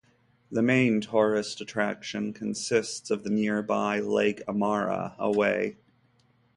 The main tourist attraction consists of the nearby Lake Amara - away.